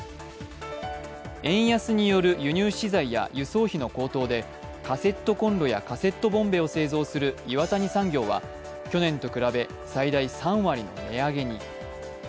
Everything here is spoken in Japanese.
円安による輸入資材や輸送費の高騰で、カセットコンロやカセットボンベを製造する岩谷産業は去年と比べ、最大３割の値上げに。